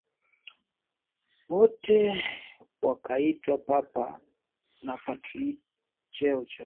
wote wakaitwa Papa na Patriarki Cheo cha Patriarki kilipatikana pia kwa